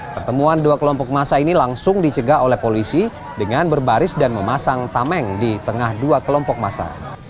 pertemuan dua kelompok masa ini langsung dicegah oleh polisi dengan berbaris dan memasang tameng di tengah dua kelompok masa